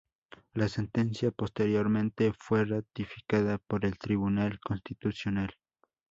La sentencia posteriormente fue ratificada por el Tribunal Constitucional.